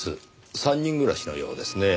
三人暮らしのようですね。